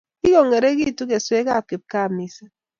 Kikongeringitu keswekab kipkaa missing